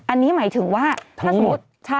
อันนี้หมายถึงว่า